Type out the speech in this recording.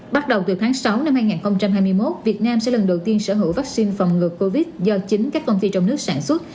bắt đầu từ tháng sáu năm hai nghìn hai mươi một việt nam sẽ lần đầu tiên sở hữu vaccine phòng ngừa covid do chính các công ty trong nước sản xuất